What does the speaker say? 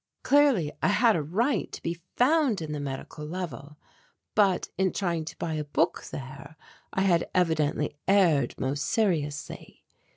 Clearly I had a right to be found in the medical level but in trying to buy a book there I had evidently erred most seriously.